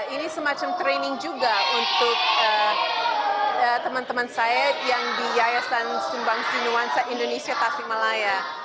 ini semacam training juga untuk teman teman saya yang di yayasan sumbangsi nuansa indonesia tasikmalaya